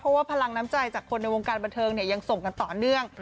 เพราะว่าพลังน้ำใจจากคนในวงการบันเทิงเนี่ยยังส่งกันต่อเนื่อง